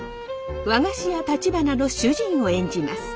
和菓子屋たちばなの主人を演じます。